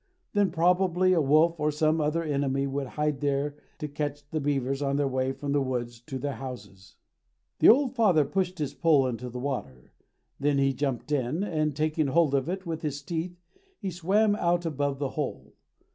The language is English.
Then probably a wolf, or some other enemy, would hide there to catch the beavers on their way from the woods to their houses. The old father pushed his pole into the water; then he jumped in, and, taking hold of it with his teeth, he swam out above the hole.